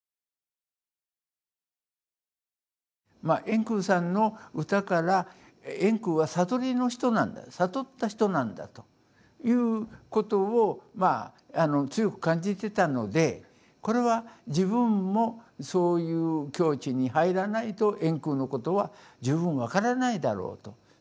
ま円空さんの歌から円空は悟りの人なんだ悟った人なんだということをまあ強く感じてたのでこれは自分もそういう境地に入らないと円空のことは十分分からないだろうと。